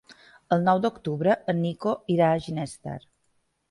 El nou d'octubre en Nico irà a Ginestar.